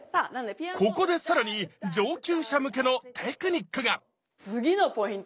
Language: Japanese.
ここでさらに上級者向けのテクニックが次のポイント